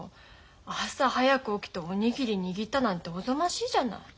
朝早く起きてお握り握ったなんておぞましいじゃない。